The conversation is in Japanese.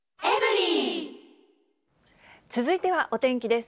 続いてはお天気です。